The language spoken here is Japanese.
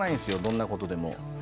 どんなことでも。